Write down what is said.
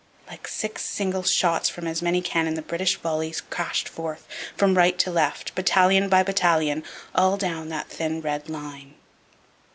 Like six single shots from as many cannon the British volleys crashed forth, from right to left, battalion by battalion, all down that thin red line.